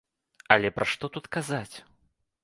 Але пра што тут казаць?